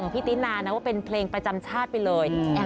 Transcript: ทุกคนยังจำกันได้นะคะ